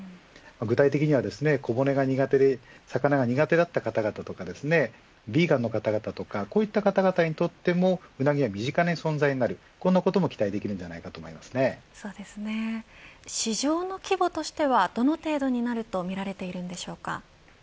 具体的には小骨が苦手で魚が苦手だった方々にとってもヴィーガンの方々にとってもうなぎが身近な存在になることも市場の規模としてはどの程度になるとみられているんでしょうか。